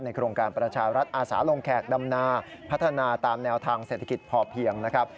โครงการประชารัฐอาสาลงแขกดำนาพัฒนาตามแนวทางเศรษฐกิจพอเพียงนะครับ